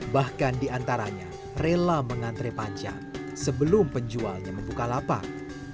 bahkan diantaranya rela mengantre panjang sebelum penjualnya membuka lapak